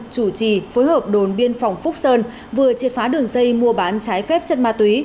chủ trì phối hợp đồn biên phòng phúc sơn vừa triệt phá đường dây mua bán trái phép chất ma túy